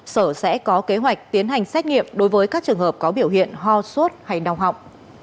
sở sẽ có kế hoạch tiến hành xét nghiệm đối với các trường hợp có biểu hiện ho suốt hay đồng học